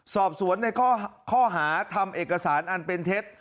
สอบสวนในข้อหาทำเอกสารอันเป็นเท็จ